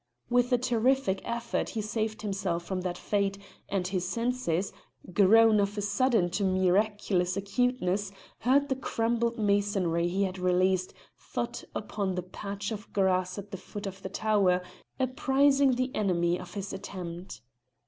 With a terrific effort he saved himself from that fate, and his senses, grown of a sudden to miraculous acuteness, heard the crumbled masonry he had released thud upon the patch of grass at the foot of the tower, apprising the enemy of his attempt.